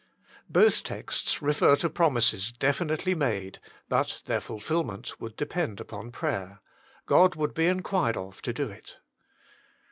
Both texts refer to promises definitely made, but their fulfilment would depend upon prayer : God would be inquired of to do it.